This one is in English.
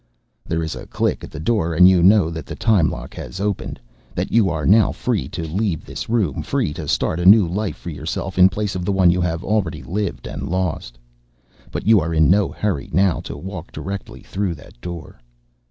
There is a click at the door and you know that the time lock has opened, that you are now free to leave this room, free to start a new life for yourself in place of the one you have already lived and lost. But you are in no hurry now to walk directly through that door.